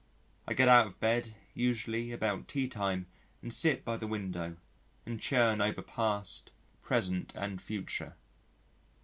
I get out of bed usually about tea time and sit by the window and churn over past, present, and future.